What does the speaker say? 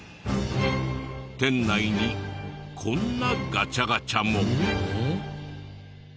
店内にこんなガチャガチャも。